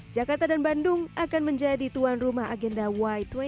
jakarta dan bandung akan menjadi tuan rumah agenda y dua puluh